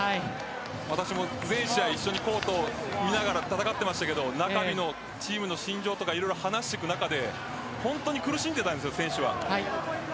私も全試合コートを見ながら戦ってましたがチームの心情とか話していく中で本当に苦しんでいたんです選手は。